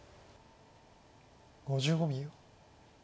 ５５秒。